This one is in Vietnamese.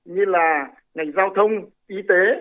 như là ngành giao thông y tế